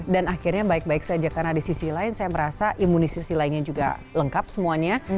dan akhirnya baik baik saja karena di sisi lain saya merasa imunisasi lainnya juga lengkap semuanya